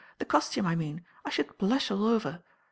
The costume I mean. I ihould blush all over."